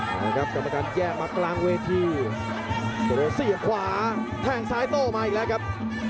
นี่ครับกรรมการแยกมากลางเวทีโอ้โหเสียบขวาแทงซ้ายโต้มาอีกแล้วครับ